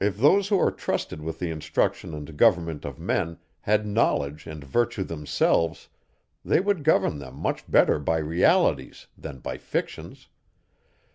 If those, who are trusted with the instruction and government of men, had knowledge and virtue themselves, they would govern them much better by realities, than by fictions.